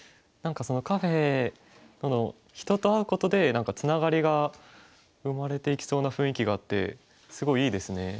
何かそのカフェ人と会うことでつながりが生まれていきそうな雰囲気があってすごいいいですね。